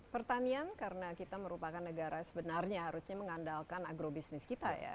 pertanian karena kita merupakan negara sebenarnya harusnya mengandalkan agrobisnis kita ya